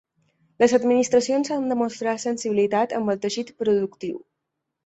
Les administracions han de mostrar sensibilitat amb el teixit productiu.